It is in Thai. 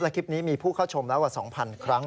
และคลิปนี้มีผู้เข้าชมแล้วกว่า๒๐๐๐ครั้ง